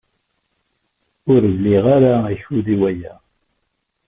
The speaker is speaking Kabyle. Ur liɣ ara akud i waya.